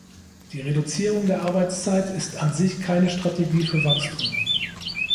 Die Reduzierung der Arbeitszeit ist an sich keine Strategie für Wachstum.